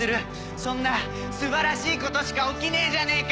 そんな素晴らしいことしか起きねえじゃねぇか！